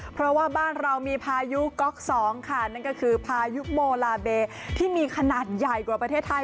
เพราะว่าบ้านเรามีพายุก๊อกสองค่ะนั่นก็คือพายุโมลาเบที่มีขนาดใหญ่กว่าประเทศไทย